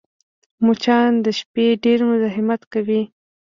مچان د شپې ډېر مزاحمت کوي